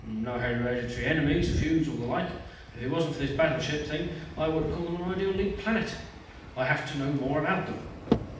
No hereditary enemies, feuds or the like. If it wasn't for this battleship thing, I would call them an ideal League planet. I have to know more about them."